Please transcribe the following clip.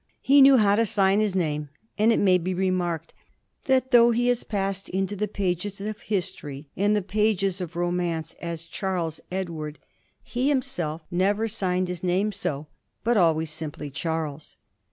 He knew how to sign his name ; and it may be remarked that though he has passed into the pages of history and the pages of romance as Charles Edward, he himself never signed his 9* 202 A HISTOBT OF THE FOUR GE0B6ES. CH.xzzir. name so, but always simply Charles.